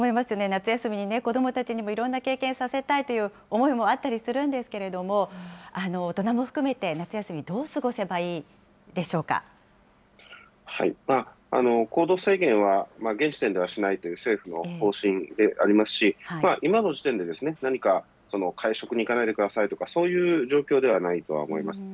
夏休みに子どもたちにもいろんな経験させたいという思いもあったりするんですけれども、大人も含めて夏休み、どう過ごせばいいで行動制限は、現時点ではしないという政府の方針でありますし、今の時点で何か会食に行かないでくださいとか、そういう状況ではないと思います。